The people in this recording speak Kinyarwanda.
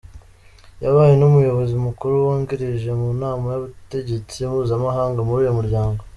Yabaye n’umuyobozi mukuru wungirije mu nama y’ubutegetsi mpuzamahanga muri uyu muryango.